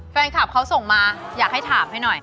แฟนคลับเขาส่งมาอยากให้ถามให้หน่อย